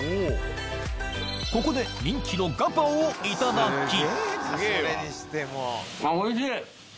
ここで人気のガパオをいただきあっおいしい！